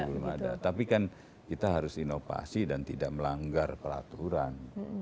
belum ada tapi kan kita harus inovasi dan tidak melanggar peraturan